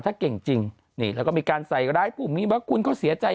ถ้าเก่งจริงนี่แล้วก็มีการใส่ร้ายผู้มีว่าคุณเขาเสียใจ